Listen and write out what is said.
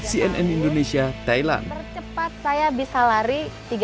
cnn indonesia thailand cepat saya bisa lari tiga belas delapan